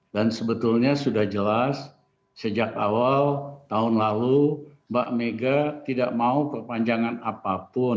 sebetulnya sudah jelas sejak awal tahun lalu mbak mega tidak mau perpanjangan apapun